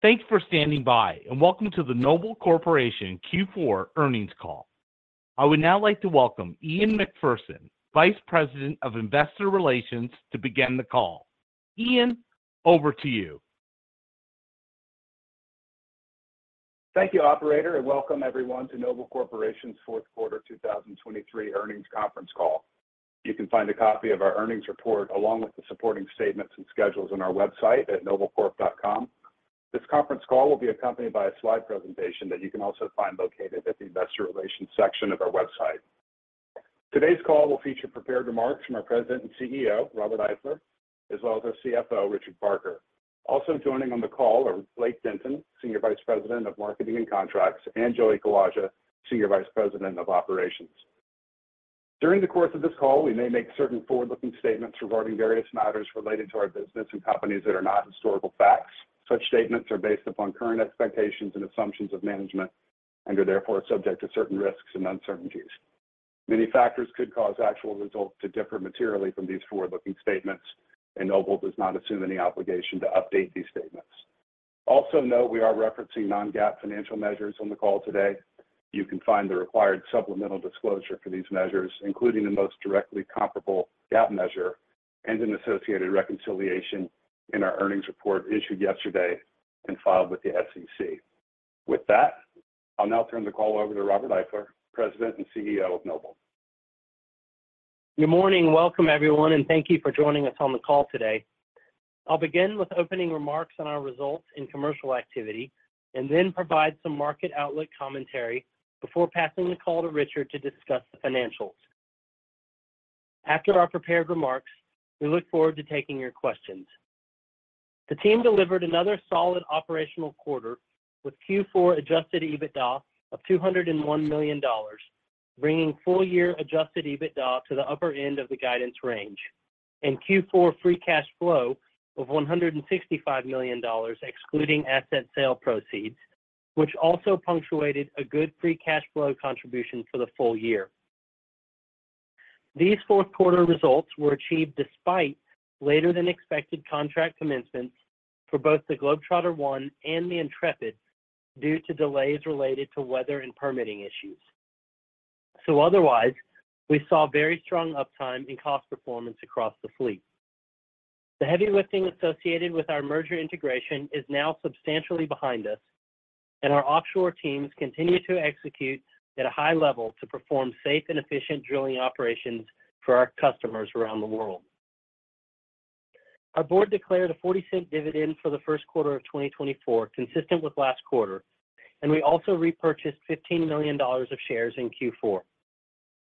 Thanks for standing by and welcome to the Noble Corporation fourth quarter earnings call. I would now like to welcome Ian Macpherson, Vice President of Investor Relations, to begin the call. Ian, over to you. Thank you, Operator, and welcome everyone to Noble Corporation's 4th Quarter 2023 earnings conference call. You can find a copy of our earnings report along with the supporting statements and schedules on our website at noblecorp.com. This conference call will be accompanied by a slide presentation that you can also find located at the Investor Relations section of our website. Today's call will feature prepared remarks from our President and CEO, Robert Eifler, as well as our CFO, Richard Barker. Also joining on the call are Blake Denton, Senior Vice President of Marketing and Contracts, and Joey Kawaja, Senior Vice President of Operations. During the course of this call, we may make certain forward-looking statements regarding various matters related to our business and companies that are not historical facts. Such statements are based upon current expectations and assumptions of management and are therefore subject to certain risks and uncertainties. Many factors could cause actual results to differ materially from these forward-looking statements, and Noble does not assume any obligation to update these statements. Also note, we are referencing non-GAAP financial measures on the call today. You can find the required supplemental disclosure for these measures, including the most directly comparable GAAP measure and an associated reconciliation in our earnings report issued yesterday and filed with the SEC. With that, I'll now turn the call over to Robert Eifler, President and CEO of Noble. Good morning. Welcome, everyone, and thank you for joining us on the call today. I'll begin with opening remarks on our results in commercial activity and then provide some market outlook commentary before passing the call to Richard to discuss the financials. After our prepared remarks, we look forward to taking your questions. The team delivered another solid operational quarter with fourth quarter Adjusted EBITDA of $201 million, bringing full-year Adjusted EBITDA to the upper end of the guidance range, and fourth quarter free cash flow of $165 million excluding asset sale proceeds, which also punctuated a good free cash flow contribution for the full year. These fourth quarter results were achieved despite later-than-expected contract commencements for both the Globetrotter I and the Intrepid due to delays related to weather and permitting issues. So otherwise, we saw very strong uptime and cost performance across the fleet. The heavy lifting associated with our merger integration is now substantially behind us, and our offshore teams continue to execute at a high level to perform safe and efficient drilling operations for our customers around the world. Our board declared a $0.40 dividend for the first quarter of 2024 consistent with last quarter, and we also repurchased $15 million of shares in fourth quarter.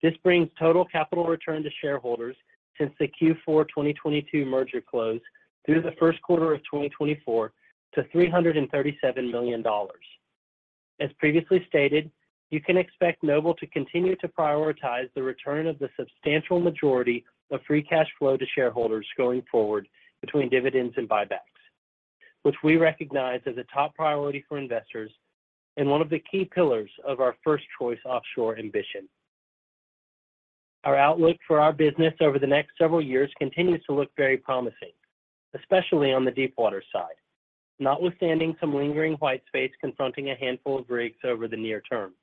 This brings total capital return to shareholders since the fourth quarter 2022 merger close through the first quarter of 2024 to $337 million. As previously stated, you can expect Noble to continue to prioritize the return of the substantial majority of free cash flow to shareholders going forward between dividends and buybacks, which we recognize as a top priority for investors and one of the key pillars of our first-choice offshore ambition. Our outlook for our business over the next several years continues to look very promising, especially on the deepwater side, notwithstanding some lingering white space confronting a handful of rigs over the near term.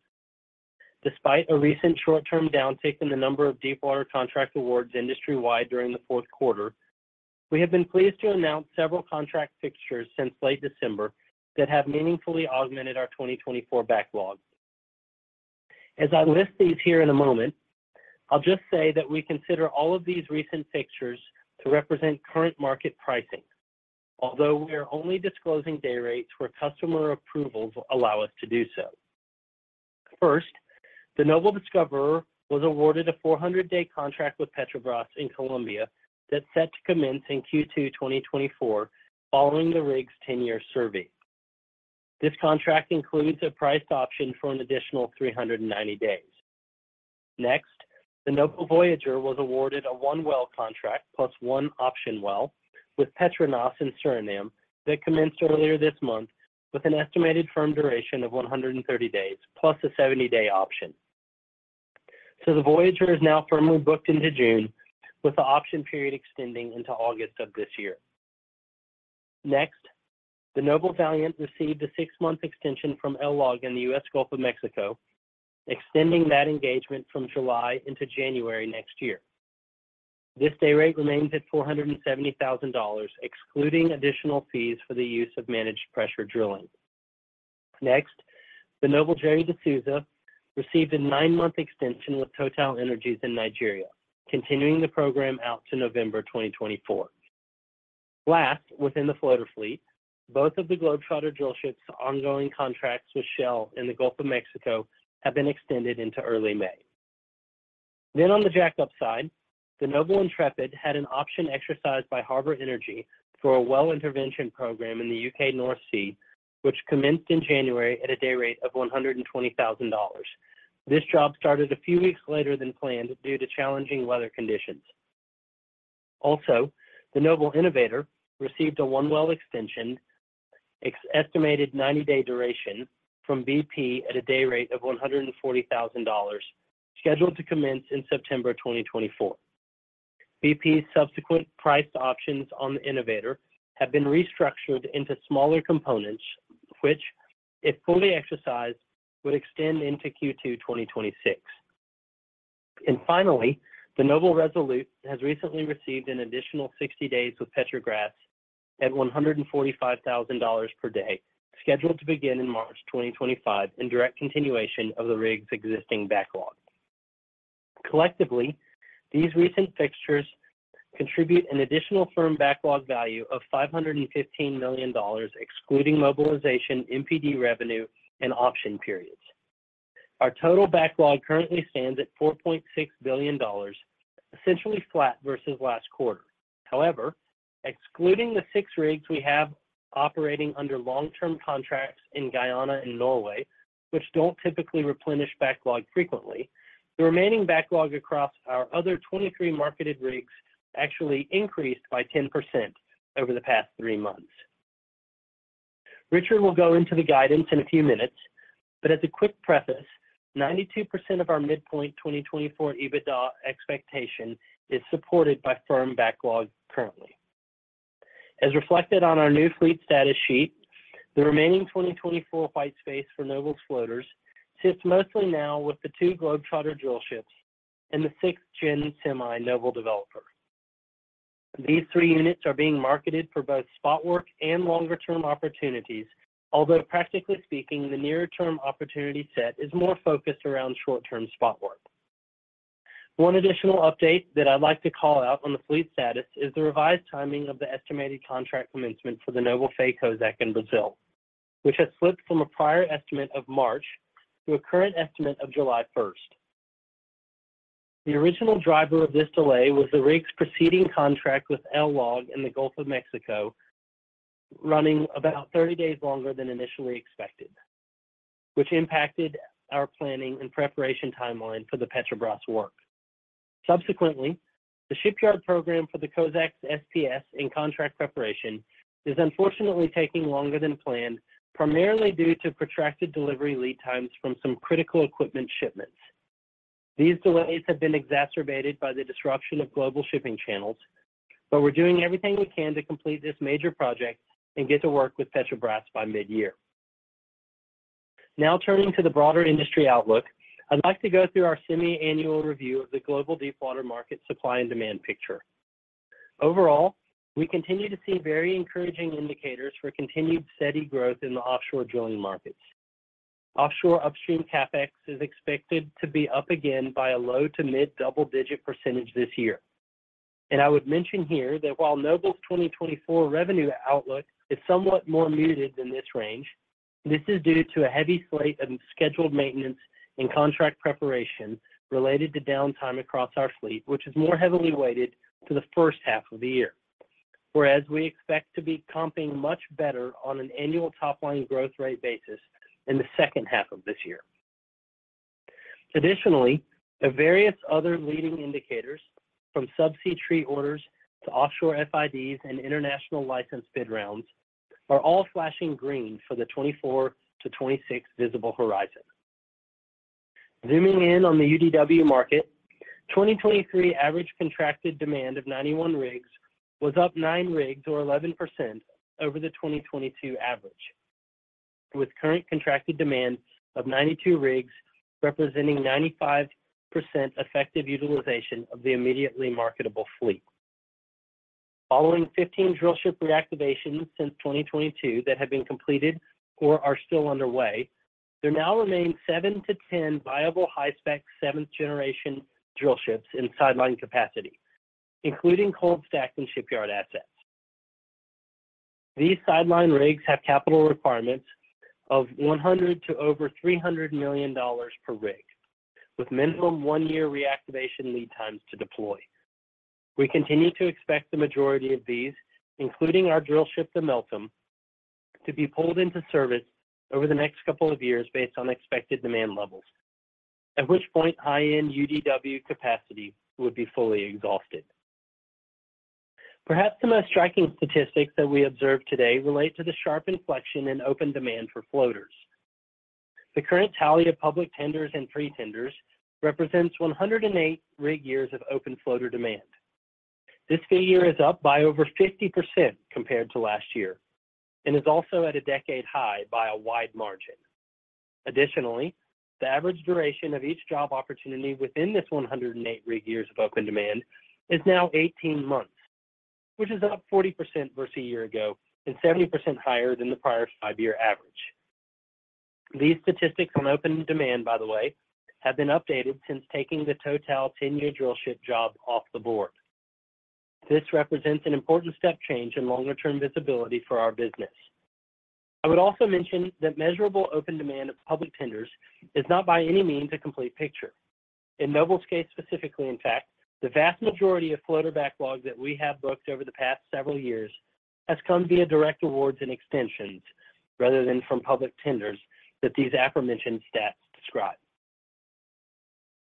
Despite a recent short-term downtick in the number of deepwater contract awards industry-wide during the fourth quarter, we have been pleased to announce several contract fixtures since late December that have meaningfully augmented our 2024 backlog. As I list these here in a moment, I'll just say that we consider all of these recent fixtures to represent current market pricing, although we are only disclosing day rates where customer approvals allow us to do so. First, the Noble Discoverer was awarded a 400-day contract with Petrobras in Colombia that's set to commence in second quarter 2024 following the rig's 10-year survey. This contract includes a priced option for an additional 390 days. Next, the Noble Voyager was awarded a one-well contract plus one option well with PETRONAS in Suriname that commenced earlier this month with an estimated firm duration of 130 days plus a 70-day option. So the Voyager is now firmly booked into June, with the option period extending into August of this year. Next, the Noble Valiant received a six-month extension from LLOG in the US Gulf of Mexico, extending that engagement from July into January next year. This day rate remains at $470,000, excluding additional fees for the use of managed pressure drilling. Next, the Noble Gerry de Souza received a nine-month extension with TotalEnergies in Nigeria, continuing the program out to November 2024. Last, within the floater fleet, both of the Globetrotter drillships' ongoing contracts with Shell in the Gulf of Mexico have been extended into early May. Then on the jackup side, the Noble Intrepid had an option exercised by Harbour Energy for a well intervention program in the UK North Sea, which commenced in January at a day rate of $120,000. This job started a few weeks later than planned due to challenging weather conditions. Also, the Noble Innovator received a one well extension, estimated 90-day duration, from BP at a day rate of $140,000, scheduled to commence in September 2024. BP's subsequent priced options on the Innovator have been restructured into smaller components, which, if fully exercised, would extend into second quarter 2026. And finally, the Noble Resolute has recently received an additional 60 days with Petrogas at $145,000 per day, scheduled to begin in March 2025 in direct continuation of the rig's existing backlog. Collectively, these recent fixtures contribute an additional firm backlog value of $515 million, excluding mobilization, MPD revenue, and option periods. Our total backlog currently stands at $4.6 billion, essentially flat versus last quarter. However, excluding the six rigs we have operating under long-term contracts in Guyana and Norway, which don't typically replenish backlog frequently, the remaining backlog across our other 23 marketed rigs actually increased by 10% over the past three months. Richard will go into the guidance in a few minutes, but as a quick preface, 92% of our midpoint 2024 EBITDA expectation is supported by firm backlog currently. As reflected on our new fleet status sheet, the remaining 2024 white space for Noble's floaters sits mostly now with the two Globetrotter drillships and the 6th-gen semi Noble Developer. These three units are being marketed for both spot work and longer-term opportunities, although practically speaking, the nearer-term opportunity set is more focused around short-term spot work. One additional update that I'd like to call out on the fleet status is the revised timing of the estimated contract commencement for the Noble Faye Kozack in Brazil, which has slipped from a prior estimate of March to a current estimate of 1 July 2024. The original driver of this delay was the rig's preceding contract with LLOG in the Gulf of Mexico, running about 30 days longer than initially expected, which impacted our planning and preparation timeline for the Petrobras work. Subsequently, the shipyard program for the Faye Kozack's SPS in contract preparation is unfortunately taking longer than planned, primarily due to protracted delivery lead times from some critical equipment shipments. These delays have been exacerbated by the disruption of global shipping channels, but we're doing everything we can to complete this major project and get to work with Petrobras by mid-year. Now turning to the broader industry outlook, I'd like to go through our semi-annual review of the global Deepwater market supply and demand picture. Overall, we continue to see very encouraging indicators for continued steady growth in the offshore drilling markets. Offshore upstream CapEx is expected to be up again by a low- to mid-double-digit % this year. I would mention here that while Noble's 2024 revenue outlook is somewhat more muted than this range, this is due to a heavy slate of scheduled maintenance and contract preparation related to downtime across our fleet, which is more heavily weighted to the first half of the year, whereas we expect to be comping much better on an annual top-line growth rate basis in the second half of this year. Additionally, various other leading indicators, from Subsea Tree orders to offshore FIDs and international license bid rounds, are all flashing green for the 2024 to 2026 visible horizon. Zooming in on the UDW market, 2023 average contracted demand of 91 rigs was up nine rigs, or 11%, over the 2022 average, with current contracted demand of 92 rigs representing 95% effective utilization of the immediately marketable fleet. Following 15 drillship reactivations since 2022 that have been completed or are still underway, there now remain seven to 10 viable high-spec seventh-generation drillships in sideline capacity, including cold stacked and shipyard assets. These sideline rigs have capital requirements of $100 to over $300 million per rig, with minimum one-year reactivation lead times to deploy. We continue to expect the majority of these, including our drillship, the Meltem, to be pulled into service over the next couple of years based on expected demand levels, at which point high-end UDW capacity would be fully exhausted. Perhaps the most striking statistics that we observe today relate to the sharp inflection in open demand for floaters. The current tally of public tenders and pre-tenders represents 108 rig years of open floater demand. This figure is up by over 50% compared to last year and is also at a decade high by a wide margin. Additionally, the average duration of each job opportunity within this 108 rig years of open demand is now 18 months, which is up 40% versus a year ago and 70% higher than the prior five-year average. These statistics on open demand, by the way, have been updated since taking the total 10-year drillship job off the board. This represents an important step change in longer-term visibility for our business. I would also mention that measurable open demand of public tenders is not by any means a complete picture. In Noble's case specifically, in fact, the vast majority of floater backlog that we have booked over the past several years has come via direct awards and extensions rather than from public tenders that these aforementioned stats describe.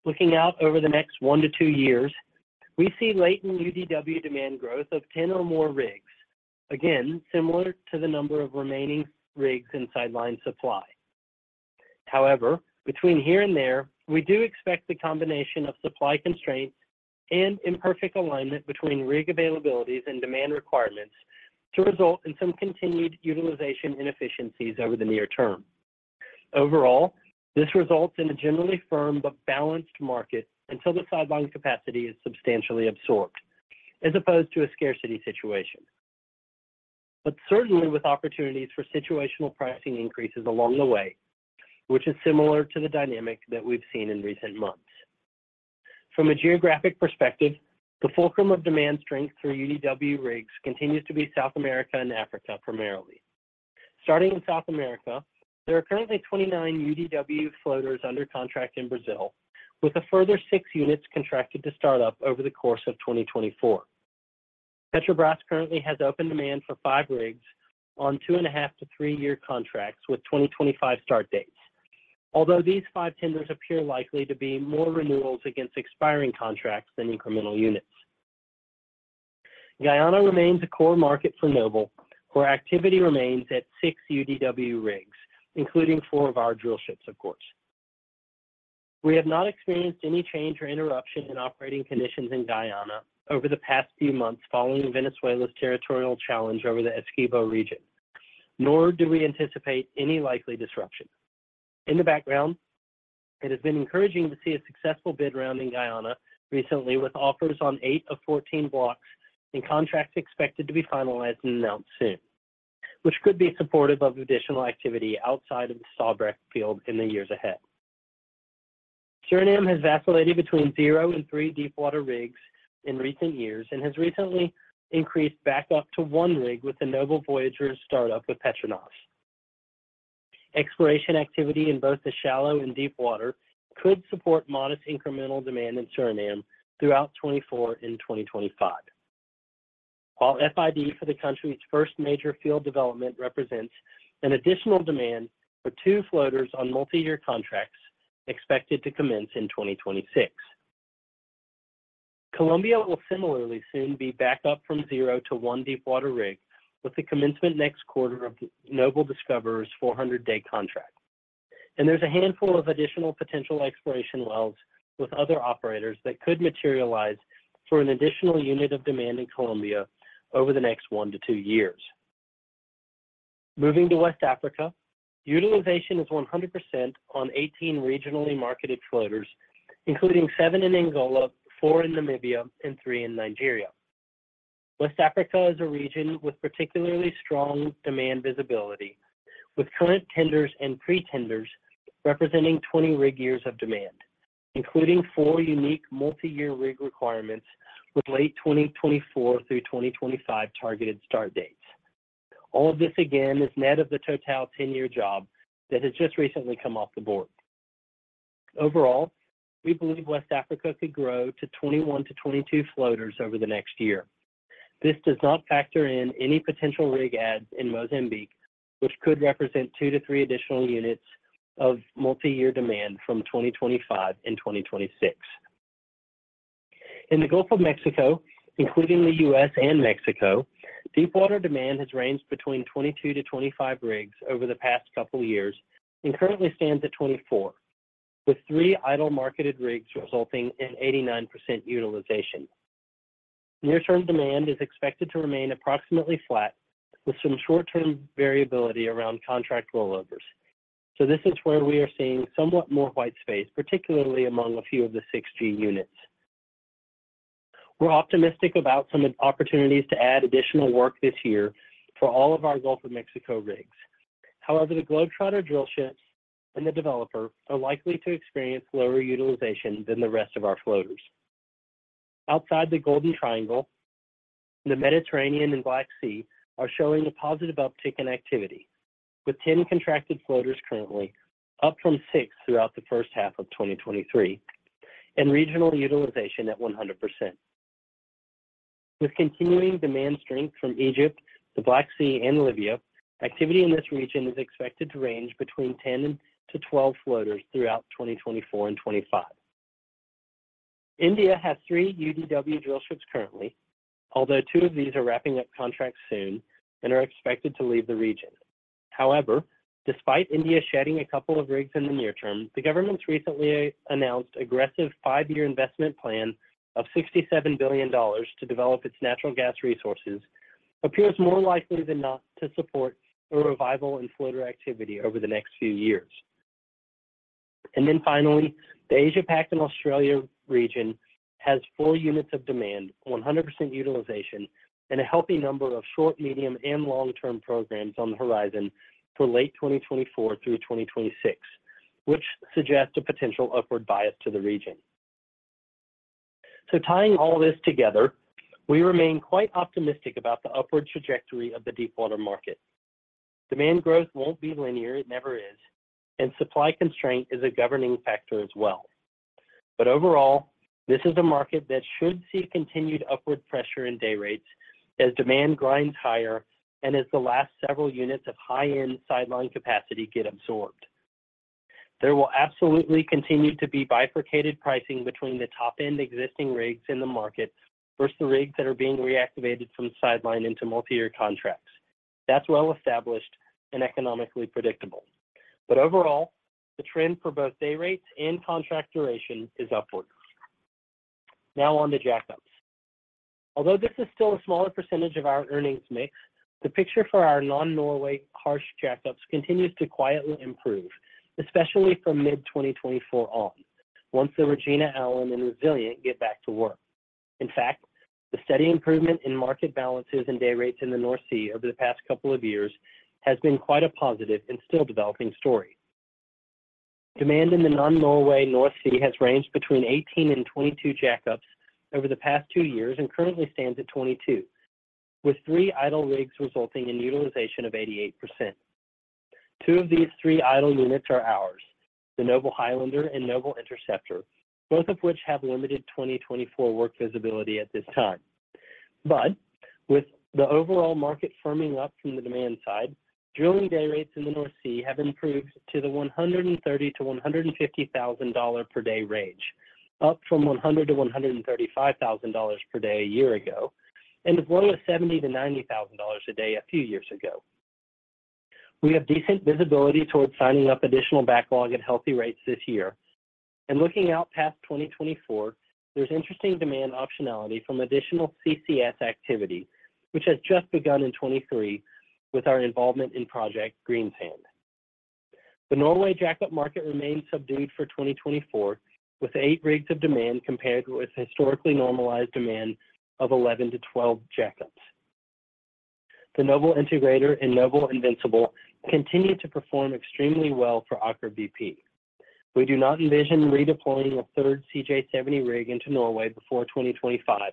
Looking out over the next one to two years, we see latent UDW demand growth of 10 or more rigs, again similar to the number of remaining rigs in sideline supply. However, between here and there, we do expect the combination of supply constraints and imperfect alignment between rig availabilities and demand requirements to result in some continued utilization inefficiencies over the near term. Overall, this results in a generally firm but balanced market until the sideline capacity is substantially absorbed, as opposed to a scarcity situation, but certainly with opportunities for situational pricing increases along the way, which is similar to the dynamic that we've seen in recent months. From a geographic perspective, the fulcrum of demand strength for UDW rigs continues to be South America and Africa primarily. Starting in South America, there are currently 29 UDW floaters under contract in Brazil, with a further six units contracted to start up over the course of 2024. Petrobras currently has open demand for five rigs on 2.5 to three-year contracts with 2025 start dates, although these five tenders appear likely to be more renewals against expiring contracts than incremental units. Guyana remains a core market for Noble, where activity remains at six UDW rigs, including four of our drillships, of course. We have not experienced any change or interruption in operating conditions in Guyana over the past few months following Venezuela's territorial challenge over the Essequibo region, nor do we anticipate any likely disruption. In the background, it has been encouraging to see a successful bid round in Guyana recently, with offers on eight of 14 blocks and contracts expected to be finalized and announced soon, which could be supportive of additional activity outside of the Stabroek field in the years ahead. Suriname has vacillated between zero and three deepwater rigs in recent years and has recently increased back up to one rig with the Noble Voyager's startup with PETRONAS. Exploration activity in both the shallow and deepwater could support modest incremental demand in Suriname throughout 2024 and 2025, while FID for the country's first major field development represents an additional demand for two floaters on multi-year contracts expected to commence in 2026. Colombia will similarly soon be back up from zero to one deepwater rig with the commencement next quarter of Noble Discoverer's 400-day contract. There's a handful of additional potential exploration wells with other operators that could materialize for an additional unit of demand in Colombia over the next one to two years. Moving to West Africa, utilization is 100% on 18 regionally marketed floaters, including seven in Angola, four in Namibia, and three in Nigeria. West Africa is a region with particularly strong demand visibility, with current tenders and pretenders representing 20 rig years of demand, including four unique multi-year rig requirements with late 2024 through 2025 targeted start dates. All of this, again, is net of the total 10-year job that has just recently come off the board. Overall, we believe West Africa could grow to 21 to 22 floaters over the next year. This does not factor in any potential rig ads in Mozambique, which could represent two to three additional units of multi-year demand from 2025 and 2026. In the Gulf of Mexico, including the US and Mexico, deepwater demand has ranged between 22 to 25 rigs over the past couple of years and currently stands at 24, with three idle marketed rigs resulting in 89% utilization. Near-term demand is expected to remain approximately flat, with some short-term variability around contract rollovers. So this is where we are seeing somewhat more white space, particularly among a few of the 6G units. We're optimistic about some opportunities to add additional work this year for all of our Gulf of Mexico rigs. However, the Globetrotter drillships and the developer are likely to experience lower utilization than the rest of our floaters. Outside the Golden Triangle, the Mediterranean and Black Sea are showing a positive uptick in activity, with 10 contracted floaters currently up from six throughout the first half of 2023 and regional utilization at 100%. With continuing demand strength from Egypt, the Black Sea, and Libya, activity in this region is expected to range between 10 to 12 floaters throughout 2024 and 2025. India has three UDW drillships currently, although two of these are wrapping up contracts soon and are expected to leave the region. However, despite India shedding a couple of rigs in the near term, the government's recently announced aggressive five-year investment plan of $67 billion to develop its natural gas resources appears more likely than not to support a revival in floater activity over the next few years. And then finally, the Asia-Pac and Australia region has four units of demand, 100% utilization, and a healthy number of short, medium, and long-term programs on the horizon for late 2024 through 2026, which suggests a potential upward bias to the region. So tying all this together, we remain quite optimistic about the upward trajectory of the deepwater market. Demand growth won't be linear. It never is. And supply constraint is a governing factor as well. But overall, this is a market that should see continued upward pressure in day rates as demand grinds higher and as the last several units of high-end sideline capacity get absorbed. There will absolutely continue to be bifurcated pricing between the top-end existing rigs in the market versus the rigs that are being reactivated from sideline into multi-year contracts. That's well established and economically predictable. But overall, the trend for both day rates and contract duration is upward. Now on the jackups. Although this is still a smaller percentage of our earnings mix, the picture for our non-Norway harsh jackups continues to quietly improve, especially from mid-2024 on, once the Regina Allen and Resilient get back to work. In fact, the steady improvement in market balances and day rates in the North Sea over the past couple of years has been quite a positive and still developing story. Demand in the non-Norway North Sea has ranged between 18 and 22 jackups over the past two years and currently stands at 22, with three idle rigs resulting in utilization of 88%. Two of these three idle units are ours, the Noble Highlander and Noble Interceptor, both of which have limited 2024 work visibility at this time. But with the overall market firming up from the demand side, drilling day rates in the North Sea have improved to the $130,000 to 150,000 per day range, up from $100,000 to 135,000 per day a year ago and as low as $70,000 to 90,000 a day a few years ago. We have decent visibility toward signing up additional backlog at healthy rates this year. And looking out past 2024, there's interesting demand optionality from additional CCS activity, which has just begun in 2023 with our involvement in Project Greensand. The Norway jackup market remains subdued for 2024, with eight rigs of demand compared with historically normalized demand of 11 to 12 jackups. The Noble Integrator and Noble Invincible continue to perform extremely well for Aker BP. We do not envision redeploying a third CJ70 rig into Norway before 2025,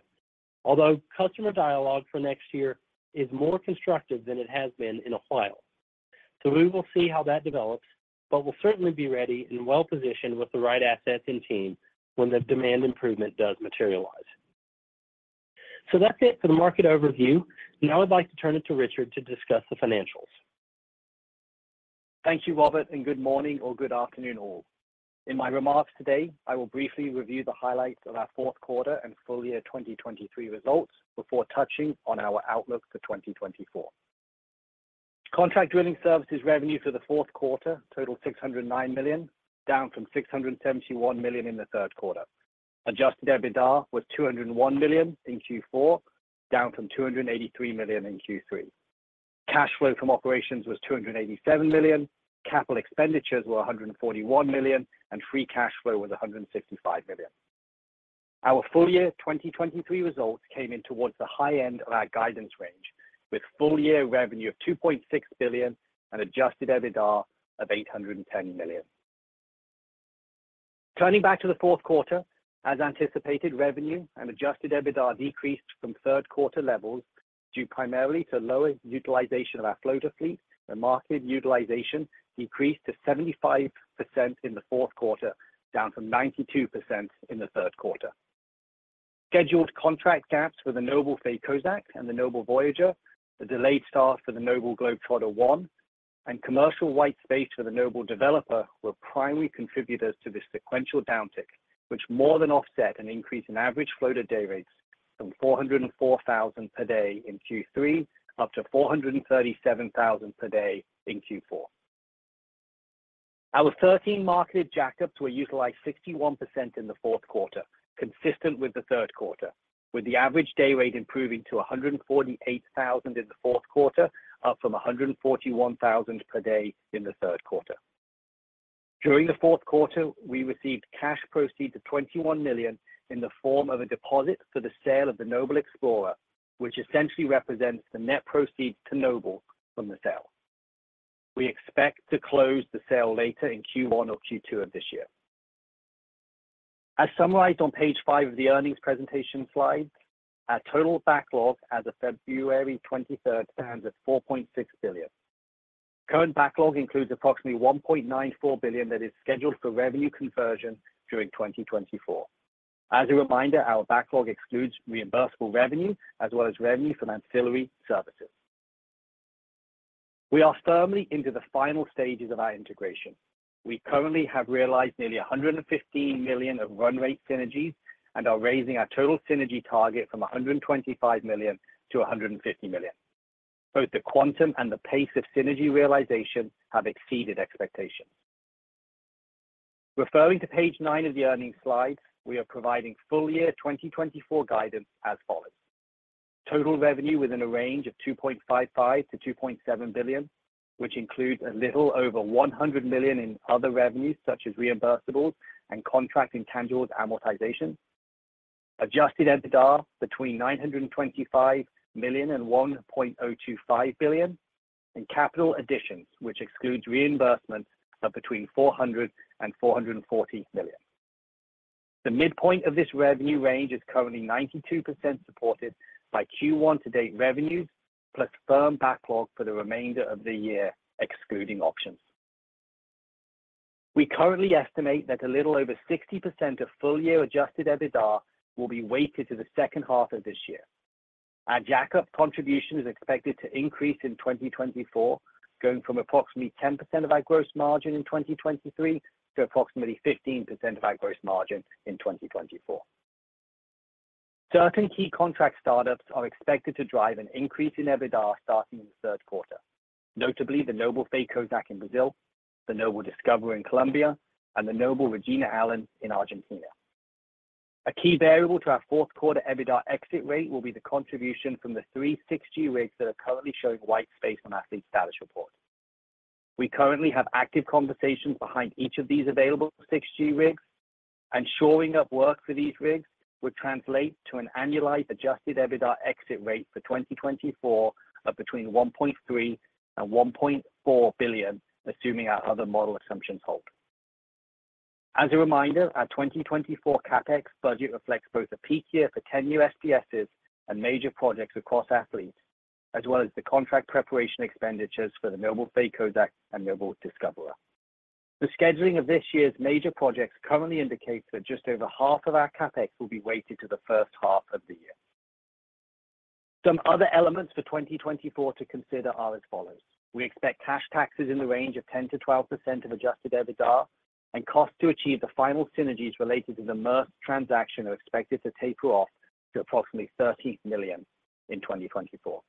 although customer dialogue for next year is more constructive than it has been in a while. So we will see how that develops, but we'll certainly be ready and well positioned with the right assets and team when the demand improvement does materialize. So that's it for the market overview. Now I'd like to turn it to Richard to discuss the financials. Thank you, Robert, and good morning or good afternoon all. In my remarks today, I will briefly review the highlights of our fourth quarter and full year 2023 results before touching on our outlook for 2024. Contract drilling services revenue for the fourth quarter totaled $609 million, down from $671 million in the third quarter. Adjusted EBITDA was $201 million in fourth quarter, down from $283 million in third quarter. Cash flow from operations was $287 million, capital expenditures were $141 million, and free cash flow was $165 million. Our full year 2023 results came in towards the high end of our guidance range, with full year revenue of $2.6 billion and adjusted EBITDA of $810 million. Turning back to the fourth quarter, as anticipated, revenue and adjusted EBITDA decreased from third quarter levels due primarily to lower utilization of our floater fleet, and market utilization decreased to 75% in the fourth quarter, down from 92% in the third quarter. Scheduled contract gaps for the Noble Faye Kozack and the Noble Voyager, the delayed start for the Noble Globetrotter I, and commercial white space for the Noble Developer were primary contributors to this sequential downtick, which more than offset an increase in average floater day rates from $404,000 per day in third quarter up to $437,000 per day in fourth quarter. Our 13 marketed jackups were utilized 61% in the fourth quarter, consistent with the third quarter, with the average day rate improving to $148,000 in the fourth quarter, up from $141,000 per day in the third quarter. During the fourth quarter, we received cash proceeds of $21 million in the form of a deposit for the sale of the Noble Explorer, which essentially represents the net proceeds to Noble from the sale. We expect to close the sale later in first quarter or second quarter of this year. As summarized on page five of the earnings presentation slides, our total backlog as of 23 February 2024 stands at $4.6 billion. Current backlog includes approximately $1.94 billion that is scheduled for revenue conversion during 2024. As a reminder, our backlog excludes reimbursable revenue as well as revenue from ancillary services. We are firmly into the final stages of our integration. We currently have realized nearly $115 million of run rate synergies and are raising our total synergy target from $125 million to $150 million. Both the quantum and the pace of synergy realization have exceeded expectations. Referring to page nine of the earnings slides, we are providing full year 2024 guidance as follows: total revenue within a range of $2.55 to 2.7 billion, which includes a little over $100 million in other revenues such as reimbursables and contract intangibles amortization. Adjusted EBITDA between $925 million and $1.025 billion. And capital additions, which excludes reimbursements of between $400 million and $440 million. The midpoint of this revenue range is currently 92% supported by first quarter to date revenues plus firm backlog for the remainder of the year, excluding options. We currently estimate that a little over 60% of full year Adjusted EBITDA will be weighted to the second half of this year. Our jackup contribution is expected to increase in 2024, going from approximately 10% of our gross margin in 2023 to approximately 15% of our gross margin in 2024. Certain key contract startups are expected to drive an increase in EBITDA starting in the third quarter, notably the Noble Faye Kozack in Brazil, the Noble Discoverer in Colombia, and the Noble Regina Allen in Argentina. A key variable to our fourth quarter EBITDA exit rate will be the contribution from the three 6G rigs that are currently showing white space on Fleet's Status Report. We currently have active conversations behind each of these available 6G rigs, and shoring up work for these rigs would translate to an annualized adjusted EBITDA exit rate for 2024 of between $1.3 billion and $1.4 billion, assuming our other model assumptions hold. As a reminder, our 2024 CapEx budget reflects both a peak year for 10 SPSs and major projects across fleet, as well as the contract preparation expenditures for the Noble Faye Kozack and Noble Discoverer. The scheduling of this year's major projects currently indicates that just over half of our CapEx will be weighted to the first half of the year. Some other elements for 2024 to consider are as follows. We expect cash taxes in the range of 10% to 12% of adjusted EBITDA and costs to achieve the final synergies related to the Maersk transaction are expected to taper off to approximately $13 million in 2024.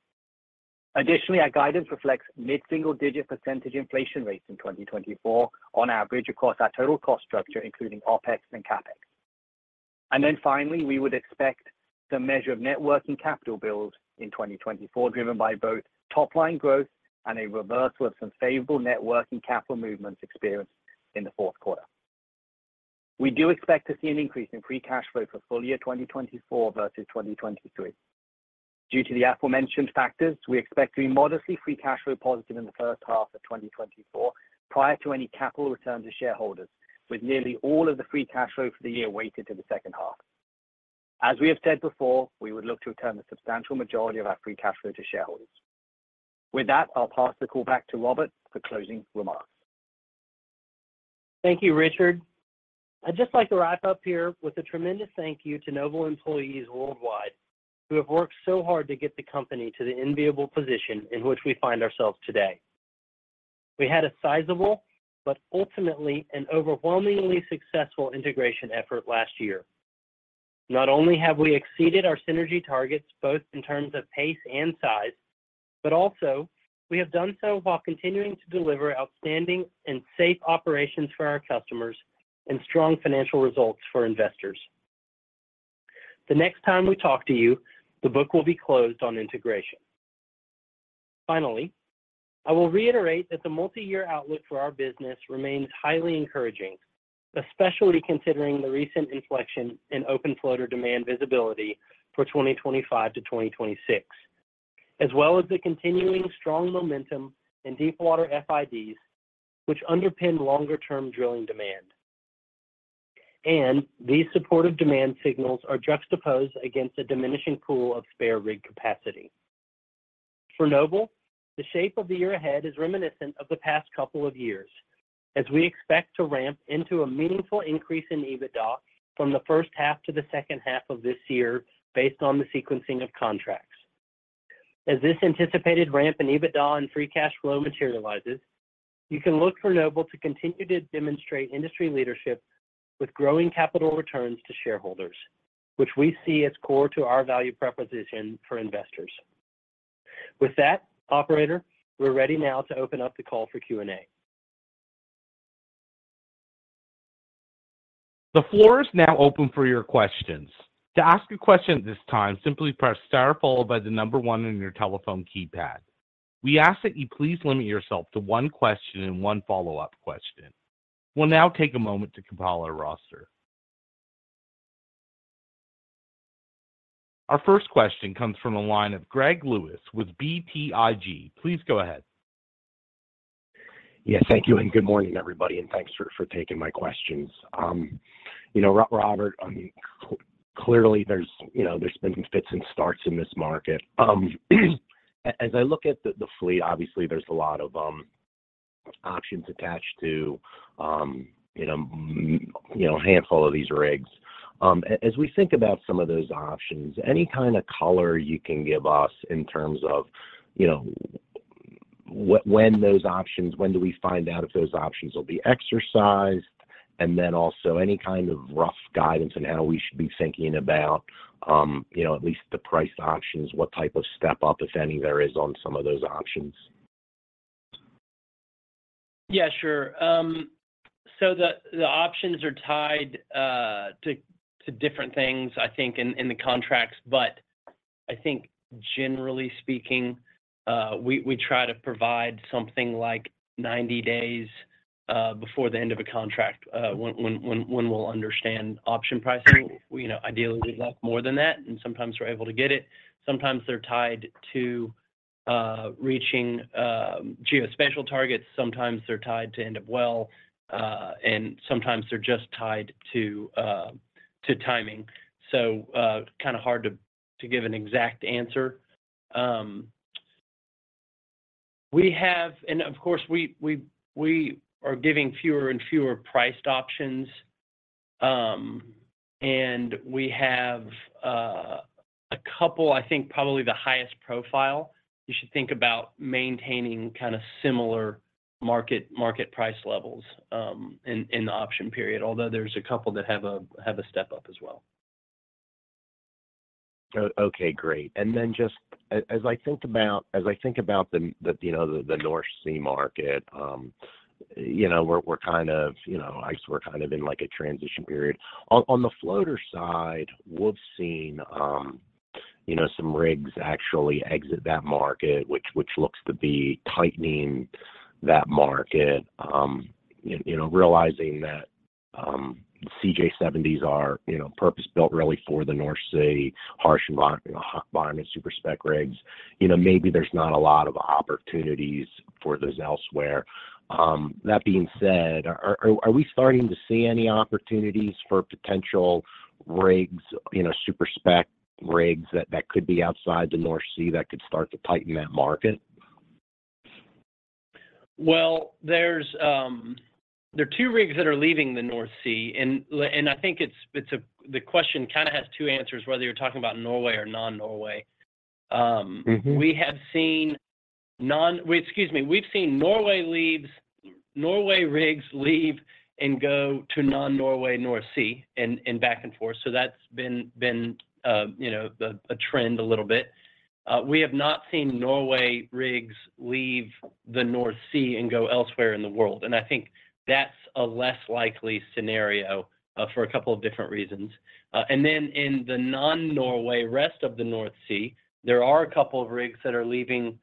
Additionally, our guidance reflects mid-single-digit percentage inflation rates in 2024 on average across our total cost structure, including OpEx and CapEx. Finally, we would expect some measure of working capital builds in 2024, driven by both top-line growth and a reversal of some favorable working capital movements experienced in the fourth quarter. We do expect to see an increase in free cash flow for full year 2024 versus 2023. Due to the aforementioned factors, we expect to be modestly Free Cash Flow positive in the first half of 2024 prior to any capital return to shareholders, with nearly all of the Free Cash Flow for the year weighted to the second half. As we have said before, we would look to return the substantial majority of our Free Cash Flow to shareholders. With that, I'll pass the call back to Robert for closing remarks. Thank you, Richard. I'd just like to wrap up here with a tremendous thank you to Noble employees worldwide who have worked so hard to get the company to the enviable position in which we find ourselves today. We had a sizable but ultimately an overwhelmingly successful integration effort last year. Not only have we exceeded our synergy targets both in terms of pace and size, but also we have done so while continuing to deliver outstanding and safe operations for our customers and strong financial results for investors. The next time we talk to you, the book will be closed on integration. Finally, I will reiterate that the multi-year outlook for our business remains highly encouraging, especially considering the recent inflection in open floater demand visibility for 2025 to 2026, as well as the continuing strong momentum in deepwater FIDs, which underpin longer-term drilling demand. These supportive demand signals are juxtaposed against a diminishing pool of spare rig capacity. For Noble, the shape of the year ahead is reminiscent of the past couple of years, as we expect to ramp into a meaningful increase in EBITDA from the first half to the second half of this year based on the sequencing of contracts. As this anticipated ramp in EBITDA and Free Cash Flow materializes, you can look for Noble to continue to demonstrate industry leadership with growing capital returns to shareholders, which we see as core to our value proposition for investors. With that, operator, we're ready now to open up the call for Q&A. The floor is now open for your questions. To ask a question at this time, simply press star followed by the number one on your telephone keypad. We ask that you please limit yourself to one question and one follow-up question. We'll now take a moment to compile our roster. Our first question comes from a line of Greg Lewis with BTIG. Please go ahead. Yes, thank you. Good morning, everybody. Thanks for taking my questions. Robert, clearly, there's been fits and starts in this market. As I look at the fleet, obviously, there's a lot of options attached to a handful of these rigs. As we think about some of those options, any kind of color you can give us in terms of when do we find out if those options will be exercised, and then also any kind of rough guidance on how we should be thinking about at least the price options, what type of step-up, if any, there is on some of those options? Yeah, sure. So the options are tied to different things, I think, in the contracts. But I think, generally speaking, we try to provide something like 90 days before the end of a contract when we'll understand option pricing. Ideally, we'd like more than that. And sometimes we're able to get it. Sometimes they're tied to reaching geospatial targets. Sometimes they're tied to end up well. And sometimes they're just tied to timing. So kind of hard to give an exact answer. And of course, we are giving fewer and fewer priced options. And we have a couple, I think, probably the highest profile. You should think about maintaining kind of similar market price levels in the option period, although there's a couple that have a step-up as well. Okay, great. And then just as I think about the North Sea market, we're kind of—I guess we're kind of—in a transition period. On the floater side, we've seen some rigs actually exit that market, which looks to be tightening that market, realizing that the CJ70s are purpose-built really for the North Sea, harsh environment, super spec rigs. Maybe there's not a lot of opportunities for those elsewhere. That being said, are we starting to see any opportunities for potential super spec rigs that could be outside the North Sea that could start to tighten that market? Well, there are two rigs that are leaving the North Sea. And I think the question kind of has two answers, whether you're talking about Norway or non-Norway. We have seen, excuse me. We've seen Norway rigs leave and go to non-Norway North Sea and back and forth. So that's been a trend a little bit. We have not seen Norway rigs leave the North Sea and go elsewhere in the world. And I think that's a less likely scenario for a couple of different reasons. And then in the non-Norway rest of the North Sea, there are a couple of rigs that are leaving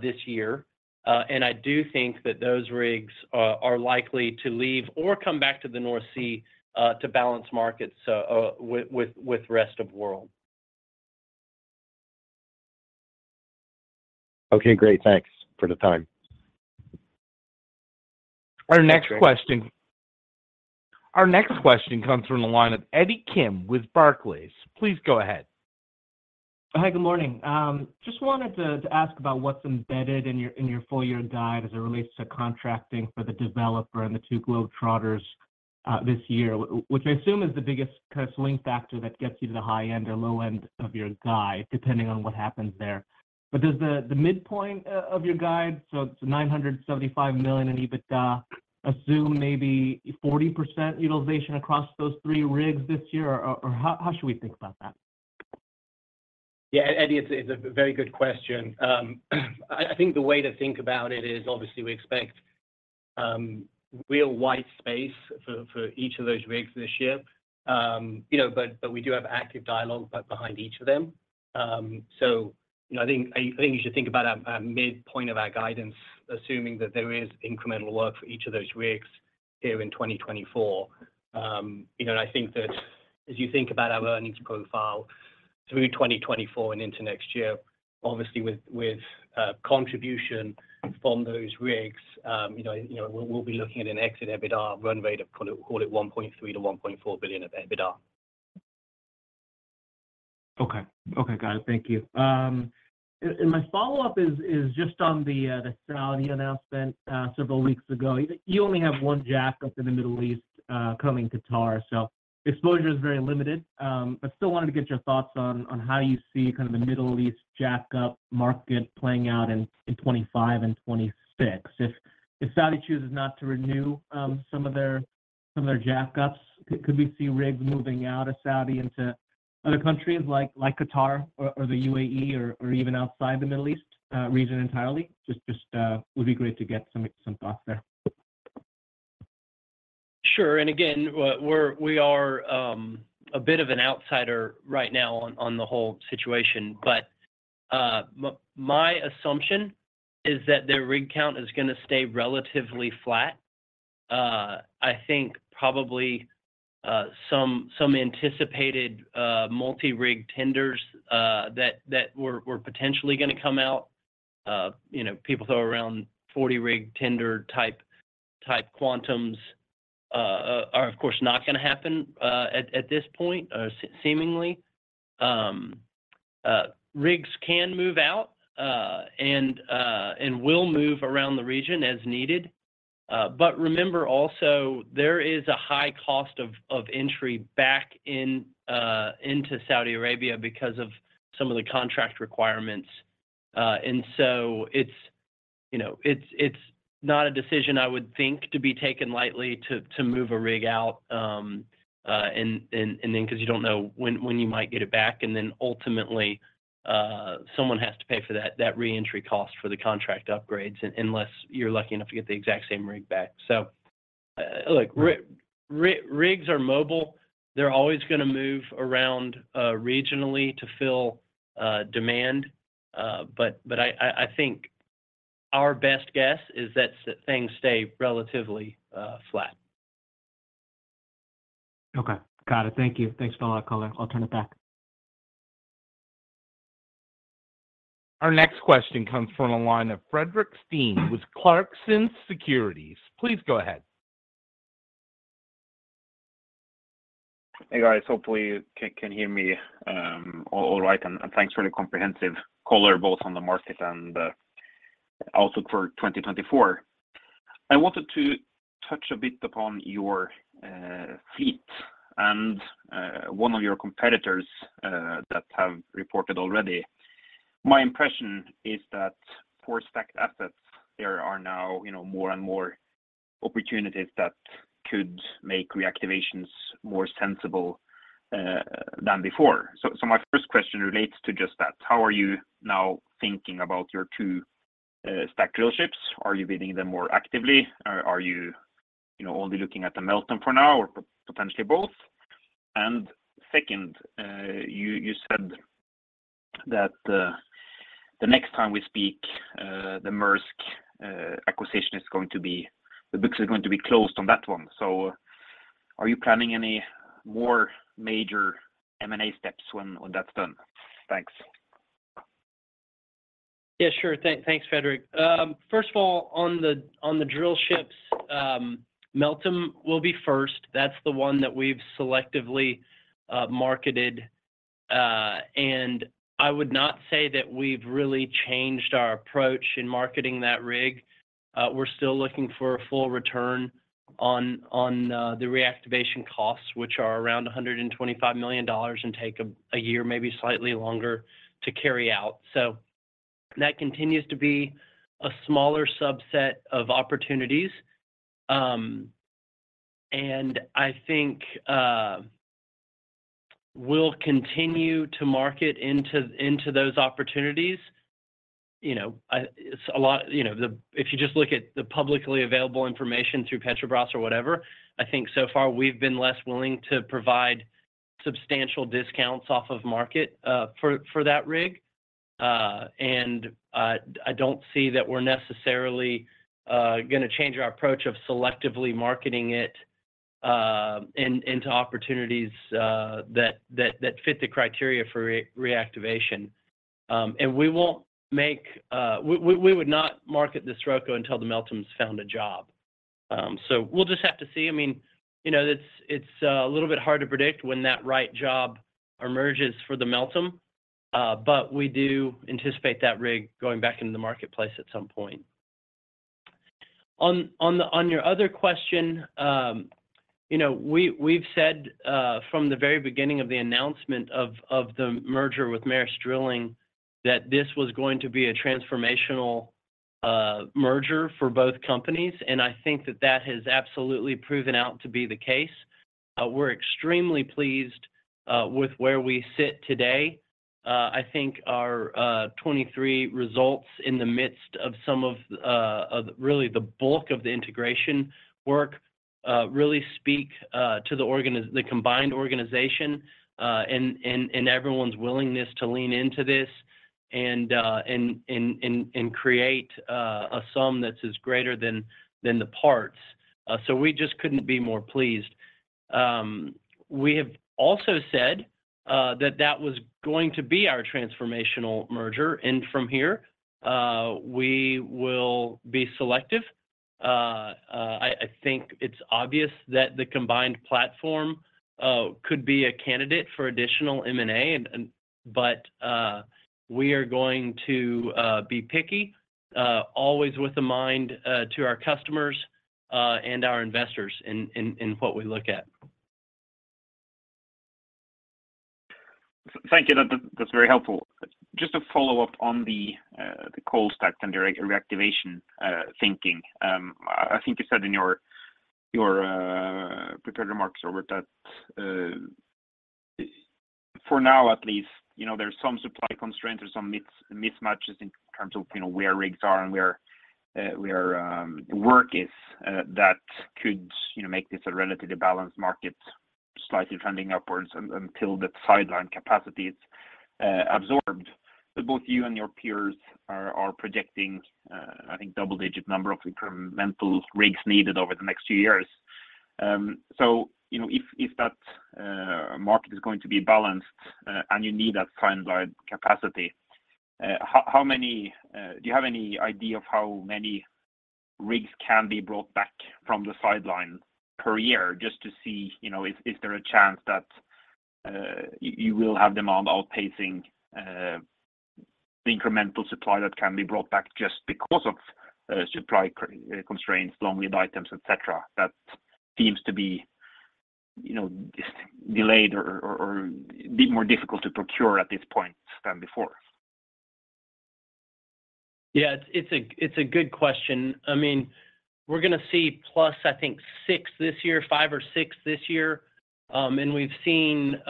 this year. And I do think that those rigs are likely to leave or come back to the North Sea to balance markets with rest of the world. Okay, great. Thanks for the time. Our next question comes from a line of Eddie Kim with Barclays. Please go ahead. Hi, good morning. Just wanted to ask about what's embedded in your full-year guide as it relates to contracting for the Developer and the two Globetrotters this year, which I assume is the biggest kind of swing factor that gets you to the high end or low end of your guide, depending on what happens there. But does the midpoint of your guide, so it's $975 million in EBITDA, assume maybe 40% utilization across those three rigs this year? Or how should we think about that? Yeah, Eddie, it's a very good question. I think the way to think about it is, obviously, we expect real white space for each of those rigs this year. But we do have active dialogue behind each of them. So I think you should think about our midpoint of our guidance, assuming that there is incremental work for each of those rigs here in 2024. And I think that as you think about our earnings profile through 2024 and into next year, obviously, with contribution from those rigs, we'll be looking at an exit EBITDA run rate, call it $1.3 to 1.4 billion of EBITDA. Okay. Okay, got it. Thank you. And my follow-up is just on the Saudi announcement several weeks ago. You only have one jackup in the Middle East coming to TAR. So exposure is very limited. I still wanted to get your thoughts on how you see kind of the Middle East jackup market playing out in 2025 and 2026. If Saudi chooses not to renew some of their jackups, could we see rigs moving out of Saudi into other countries like Qatar or the UAE or even outside the Middle East region entirely? Just would be great to get some thoughts there. Sure. And again, we are a bit of an outsider right now on the whole situation. But my assumption is that their rig count is going to stay relatively flat. I think probably some anticipated multi-rig tenders that were potentially going to come out, people throw around 40-rig tender type quantums, are, of course, not going to happen at this point, seemingly. Rigs can move out and will move around the region as needed. But remember also, there is a high cost of entry back into Saudi Arabia because of some of the contract requirements. And so it's not a decision, I would think, to be taken lightly to move a rig out, and then because you don't know when you might get it back. Then ultimately, someone has to pay for that reentry cost for the contract upgrades unless you're lucky enough to get the exact same rig back. So look, rigs are mobile. They're always going to move around regionally to fill demand. But I think our best guess is that things stay relatively flat. Okay, got it. Thank you. Thanks for allowing the call. I'll turn it back. Our next question comes from a line of Fredrik Stene with Clarksons Securities. Please go ahead. Hey, guys. Hopefully, you can hear me all right. And thanks for the comprehensive color, both on the market and the outlook for 2024. I wanted to touch a bit upon your fleet and one of your competitors that have reported already. My impression is that for stacked assets, there are now more and more opportunities that could make reactivations more sensible than before. So my first question relates to just that. How are you now thinking about your two stacked drillships? Are you bidding them more actively? Are you only looking at the Meltem for now or potentially both? And second, you said that the next time we speak, the Maersk acquisition is going to be the books are going to be closed on that one. So are you planning any more major M&A steps when that's done? Thanks. Yeah, sure. Thanks, Fredrik. First of all, on the drillships, Meltem will be first. That's the one that we've selectively marketed. And I would not say that we've really changed our approach in marketing that rig. We're still looking for a full return on the reactivation costs, which are around $125 million and take a year, maybe slightly longer, to carry out. So that continues to be a smaller subset of opportunities. And I think we'll continue to market into those opportunities. It's a lot if you just look at the publicly available information through Petrobras or whatever, I think so far we've been less willing to provide substantial discounts off of market for that rig. And I don't see that we're necessarily going to change our approach of selectively marketing it into opportunities that fit the criteria for reactivation. We would not market the Scirocco until the Meltem's found a job. We'll just have to see. I mean, it's a little bit hard to predict when that right job emerges for the Meltem. But we do anticipate that rig going back into the marketplace at some point. On your other question, we've said from the very beginning of the announcement of the merger with Maersk Drilling that this was going to be a transformational merger for both companies. And I think that that has absolutely proven out to be the case. We're extremely pleased with where we sit today. I think our 2023 results in the midst of some of really the bulk of the integration work really speak to the combined organization and everyone's willingness to lean into this and create a sum that's greater than the parts. We just couldn't be more pleased. We have also said that that was going to be our transformational merger. From here, we will be selective. I think it's obvious that the combined platform could be a candidate for additional M&A. We are going to be picky, always with a mind to our customers and our investors in what we look at. Thank you. That's very helpful. Just a follow-up on the cold stack and the reactivation thinking. I think you said in your prepared remarks, Robert, that for now, at least, there's some supply constraints or some mismatches in terms of where rigs are and where work is that could make this a relatively balanced market slightly trending upwards until the sidelined capacity is absorbed. But both you and your peers are projecting, I think, a double-digit number of incremental rigs needed over the next few years. So, if that market is going to be balanced and you need that sideline capacity, do you have any idea of how many rigs can be brought back from the sideline per year just to see is there a chance that you will have demand outpacing the incremental supply that can be brought back just because of supply constraints, long-lived items, etc., that seems to be delayed or more difficult to procure at this point than before? Yeah, it's a good question. I mean, we're going to see plus six this year, five or six this year. And we've seen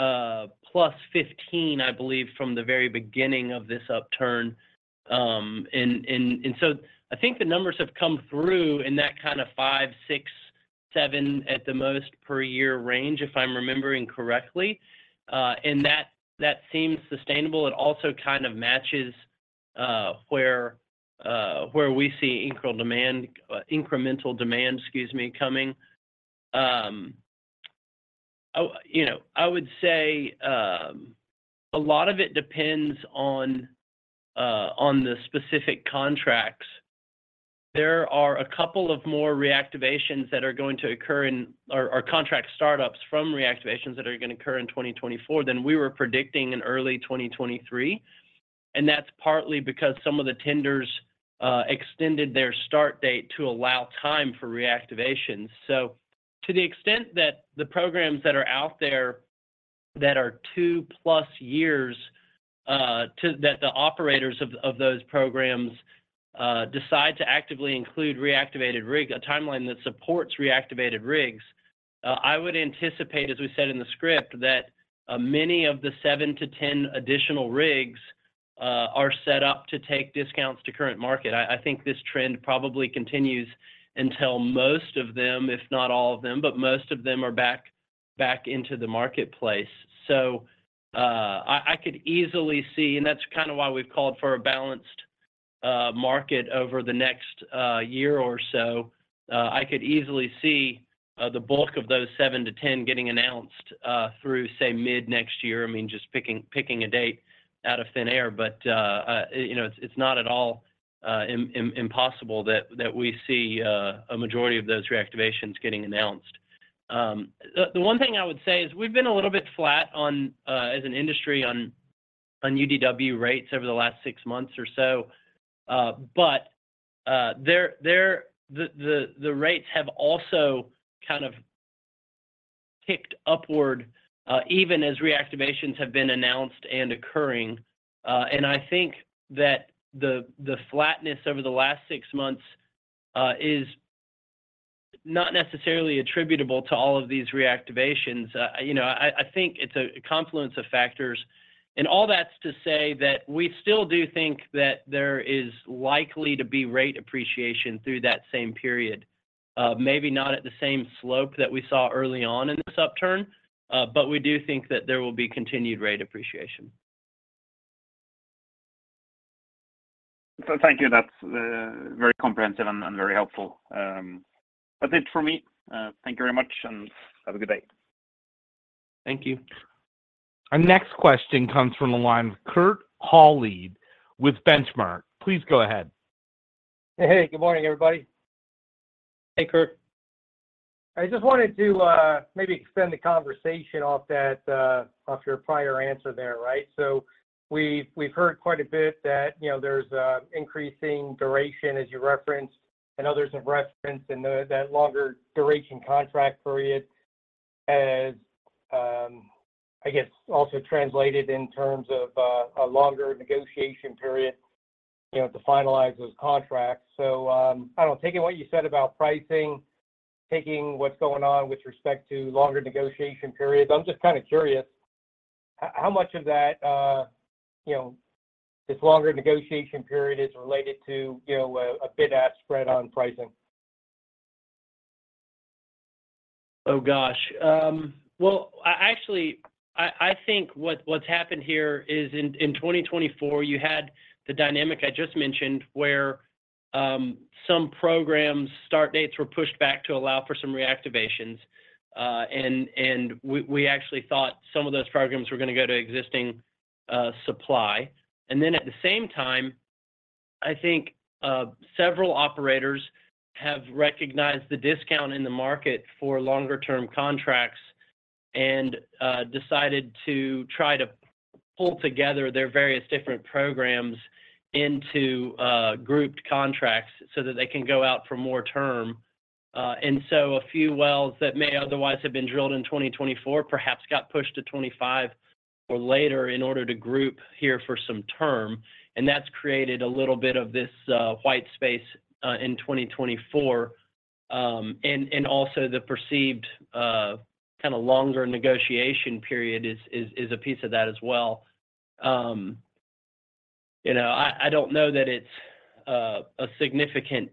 plus 15, I believe, from the very beginning of this upturn. And so I think the numbers have come through in that kind of five, six, seven at the most per year range, if I'm remembering correctly. And that seems sustainable. It also kind of matches where we see incremental demand, excuse me, coming. I would say a lot of it depends on the specific contracts. There are a couple of more reactivations that are going to occur in, or contract startups from reactivations that are going to occur in 2024 than we were predicting in early 2023. And that's partly because some of the tenders extended their start date to allow time for reactivations. So to the extent that the programs that are out there that are two-plus years that the operators of those programs decide to actively include reactivated rigs, a timeline that supports reactivated rigs, I would anticipate, as we said in the script, that many of the seven to 10 additional rigs are set up to take discounts to current market. I think this trend probably continues until most of them, if not all of them, but most of them are back into the marketplace. So I could easily see and that's kind of why we've called for a balanced market over the next year or so. I could easily see the bulk of those seven to 10 getting announced through, say, mid-next year. I mean, just picking a date out of thin air. But it's not at all impossible that we see a majority of those reactivations getting announced. The one thing I would say is we've been a little bit flat as an industry on UDW rates over the last six months or so. But the rates have also kind of kicked upward even as reactivations have been announced and occurring. And I think that the flatness over the last six months is not necessarily attributable to all of these reactivations. I think it's a confluence of factors. And all that's to say that we still do think that there is likely to be rate appreciation through that same period, maybe not at the same slope that we saw early on in this upturn. But we do think that there will be continued rate appreciation. Thank you. That's very comprehensive and very helpful. That's it for me. Thank you very much. Have a good day. Thank you. Our next question comes from a line, Kurt Hallead with Benchmark. Please go ahead. Hey, good morning, everybody. Hey, Kurt. I just wanted to maybe extend the conversation off your prior answer there, right? So we've heard quite a bit that there's increasing duration, as you referenced and others have referenced, and that longer duration contract period has, I guess, also translated in terms of a longer negotiation period to finalize those contracts. So I don't know, taking what you said about pricing, taking what's going on with respect to longer negotiation periods, I'm just kind of curious, how much of that, this longer negotiation period, is related to a bid-ask spread on pricing? Oh, gosh. Well, actually, I think what's happened here is in 2024, you had the dynamic I just mentioned where some programs' start dates were pushed back to allow for some reactivations. And we actually thought some of those programs were going to go to existing supply. And then at the same time, I think several operators have recognized the discount in the market for longer-term contracts and decided to try to pull together their various different programs into grouped contracts so that they can go out for more term. And so a few wells that may otherwise have been drilled in 2024 perhaps got pushed to 2025 or later in order to group here for some term. And that's created a little bit of this white space in 2024. And also the perceived kind of longer negotiation period is a piece of that as well. I don't know that it's a significant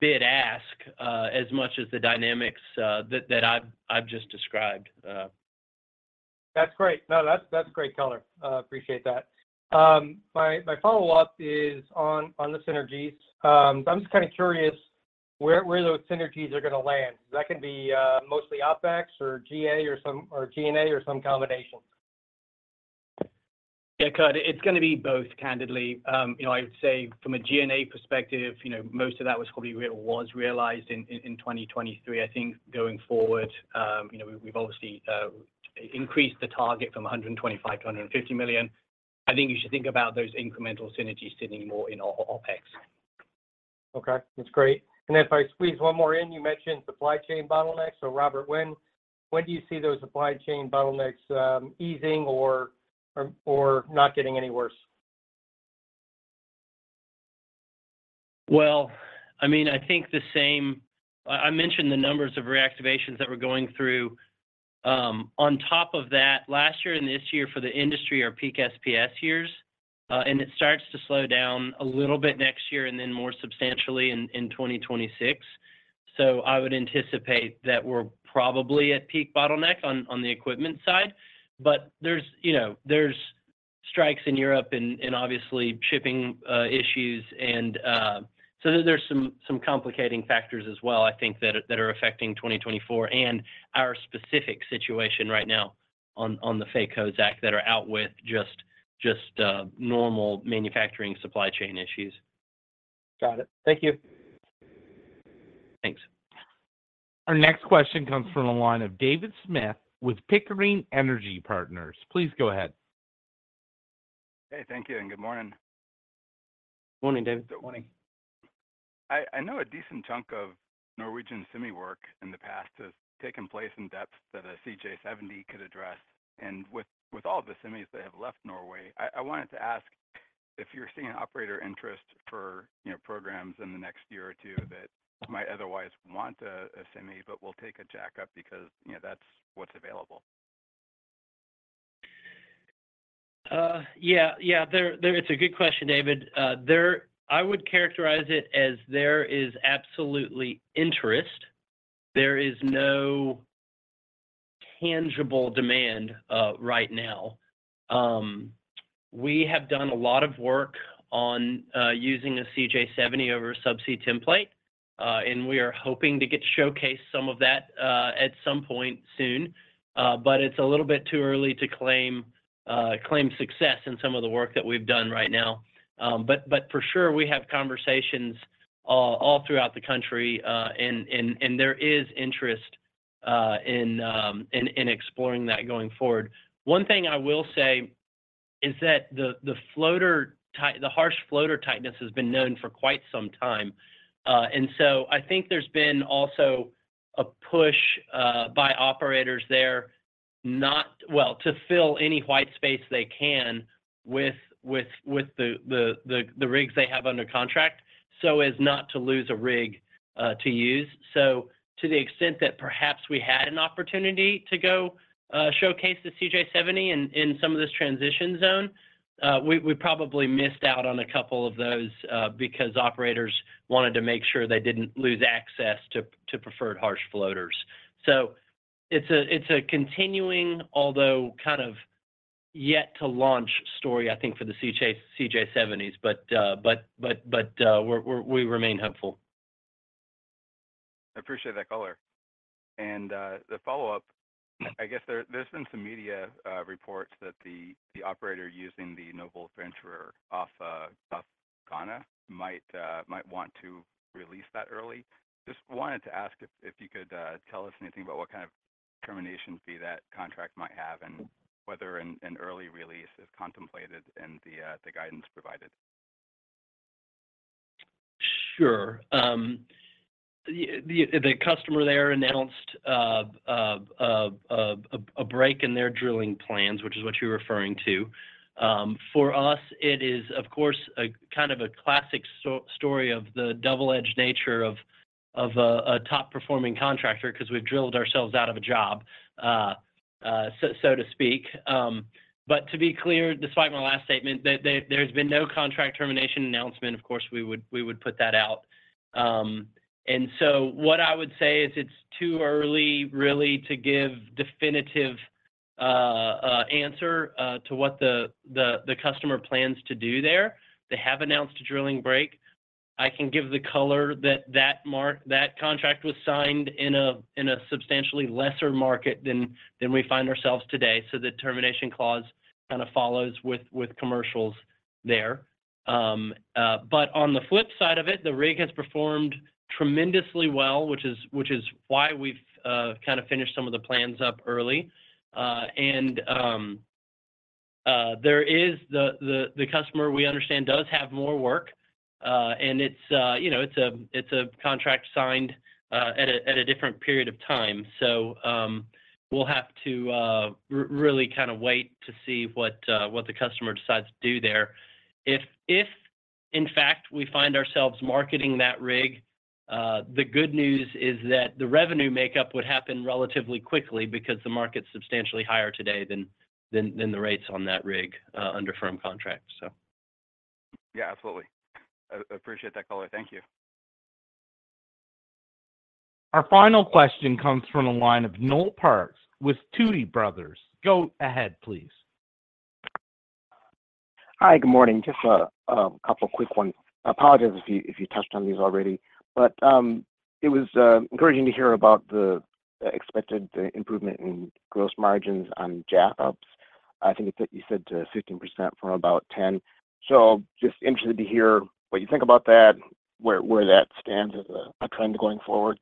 bid-ask as much as the dynamics that I've just described. That's great. No, that's great color. Appreciate that. My follow-up is on the synergies. I'm just kind of curious where those synergies are going to land. Is that going to be mostly OpEx or G&A or some combination? Yeah, Kurt, it's going to be both, candidly. I would say from a G&A perspective, most of that was probably realized in 2023. I think going forward, we've obviously increased the target from $125 to 150 million. I think you should think about those incremental synergies sitting more in OpEx. Okay. That's great. And then if I squeeze one more in, you mentioned supply chain bottlenecks. So Robert, when do you see those supply chain bottlenecks easing or not getting any worse? Well, I mean, I think the same I mentioned the numbers of reactivations that we're going through. On top of that, last year and this year for the industry are peak SPS years. It starts to slow down a little bit next year and then more substantially in 2026. So I would anticipate that we're probably at peak bottleneck on the equipment side. But there's strikes in Europe and obviously shipping issues. So there's some complicating factors as well, I think, that are affecting 2024 and our specific situation right now on the Faye Kozack that are out with just normal manufacturing supply chain issues. Got it. Thank you. Thanks. Our next question comes from a line of David Smith with Pickering Energy Partners. Please go ahead. Hey, thank you. Good morning. Good morning, David. Good morning. I know a decent chunk of Norwegian semi work in the past has taken place in depth that a CJ70 could address. With all of the semis that have left Norway, I wanted to ask if you're seeing operator interest for programs in the next year or two that might otherwise want a semi but will take a jackup because that's what's available. Yeah. Yeah. It's a good question, David. I would characterize it as there is absolutely interest. There is no tangible demand right now. We have done a lot of work on using a CJ70 over a subsea template. And we are hoping to get showcased some of that at some point soon. But it's a little bit too early to claim success in some of the work that we've done right now. But for sure, we have conversations all throughout the country. And there is interest in exploring that going forward. One thing I will say is that the harsh floater tightness has been known for quite some time. And so I think there's been also a push by operators there, well, to fill any white space they can with the rigs they have under contract so as not to lose a rig to use. To the extent that perhaps we had an opportunity to go showcase the CJ70 in some of this transition zone, we probably missed out on a couple of those because operators wanted to make sure they didn't lose access to preferred harsh floaters. It's a continuing, although kind of yet-to-launch story, I think, for the CJ70s. But we remain hopeful. I appreciate that color. The follow-up, I guess there's been some media reports that the operator using the Noble Venturer off Ghana might want to release that early. Just wanted to ask if you could tell us anything about what kind of termination fee that contract might have and whether an early release is contemplated in the guidance provided? Sure. The customer there announced a break in their drilling plans, which is what you're referring to. For us, it is, of course, kind of a classic story of the double-edged nature of a top-performing contractor because we've drilled ourselves out of a job, so to speak. But to be clear, despite my last statement, there's been no contract termination announcement. Of course, we would put that out. And so what I would say is it's too early, really, to give definitive answer to what the customer plans to do there. They have announced a drilling break. I can give the color that that contract was signed in a substantially lesser market than we find ourselves today. So the termination clause kind of follows with commercials there. But on the flip side of it, the rig has performed tremendously well, which is why we've kind of finished some of the plans up early. And the customer, we understand, does have more work. And it's a contract signed at a different period of time. So we'll have to really kind of wait to see what the customer decides to do there. If, in fact, we find ourselves marketing that rig, the good news is that the revenue makeup would happen relatively quickly because the market's substantially higher today than the rates on that rig under firm contracts, so. Yeah, absolutely. Appreciate that color. Thank you. Our final question comes from a line of Noel Parks with Tuohy Brothers. Go ahead, please. Hi. Good morning. Just a couple of quick ones. Apologies if you touched on these already. It was encouraging to hear about the expected improvement in gross margins on jackups. I think you said 15% from about 10. Just interested to hear what you think about that, where that stands as a trend going forward.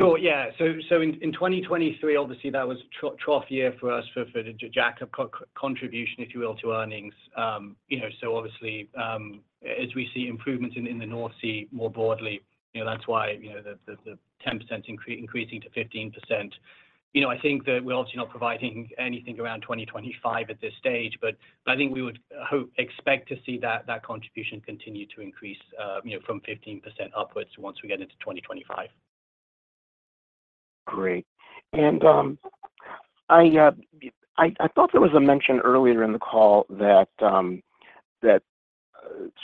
Sure. Yeah. So in 2023, obviously, that was a trough year for us for the jackup contribution, if you will, to earnings. So obviously, as we see improvements in the North Sea more broadly, that's why the 10% to 15%. I think that we're obviously not providing anything around 2025 at this stage. But I think we would expect to see that contribution continue to increase from 15% upwards once we get into 2025. Great. And I thought there was a mention earlier in the call that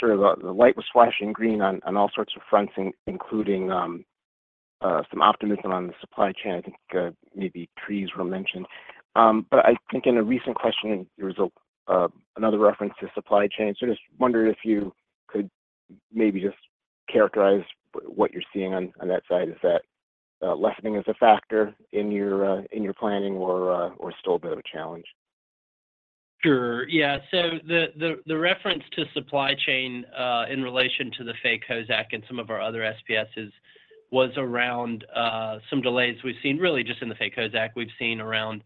sort of the light was flashing green on all sorts of fronts, including some optimism on the supply chain. I think maybe trees were mentioned. But I think in a recent question, there was another reference to supply chain. So just wondered if you could maybe just characterize what you're seeing on that side. Is that lessening as a factor in your planning or still a bit of a challenge? Sure. Yeah. So the reference to supply chain in relation to the Faye Kozack and some of our other SPSs was around some delays we've seen, really just in the Faye Kozack, we've seen around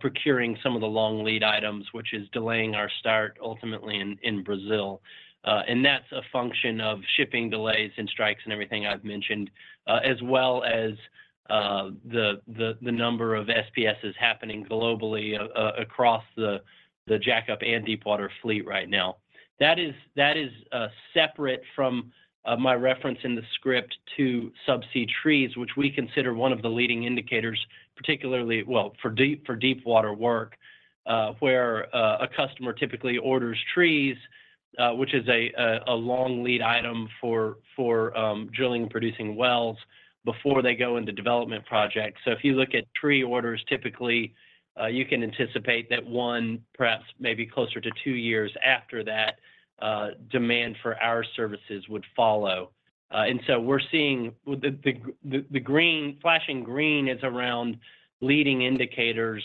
procuring some of the long lead items, which is delaying our start ultimately in Brazil. And that's a function of shipping delays and strikes and everything I've mentioned, as well as the number of SPSs happening globally across the jackup and deepwater fleet right now. That is separate from my reference in the script to subsea trees, which we consider one of the leading indicators, particularly, well, for deepwater work, where a customer typically orders trees, which is a long lead item for drilling-producing wells before they go into development projects. So if you look at tree orders, typically, you can anticipate that one, perhaps maybe closer to two years after that, demand for our services would follow. And so we're seeing the flashing green is around leading indicators.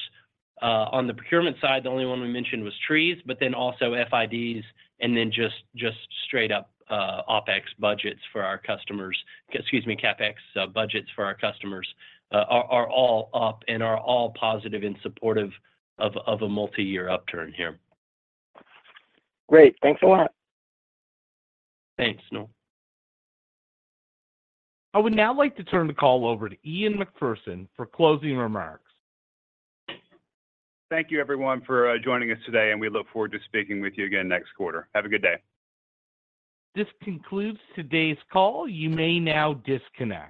On the procurement side, the only one we mentioned was trees, but then also FIDs and then just straight-up OpEx budgets for our customers excuse me, CapEx budgets for our customers are all up and are all positive in support of a multi-year upturn here. Great. Thanks a lot. Thanks, Noel. I would now like to turn the call over to Ian Macpherson for closing remarks. Thank you, everyone, for joining us today. We look forward to speaking with you again next quarter. Have a good day. This concludes today's call. You may now disconnect.